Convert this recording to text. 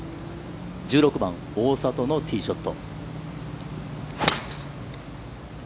１６番、大里のティーショット。